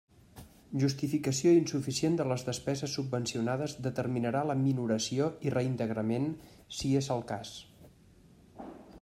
Justificació insuficient de les despeses subvencionades determinarà la minoració i reintegrament, si és el cas.